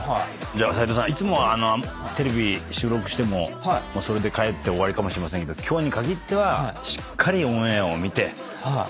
じゃあ斎藤さんいつもはテレビ収録してもそれで帰って終わりかもしれませんけど今日に限っては。え！